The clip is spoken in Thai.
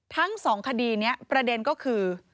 ทั้งสองคดีนี้ประเด็นก็คือ